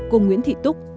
cô nguyễn thị túc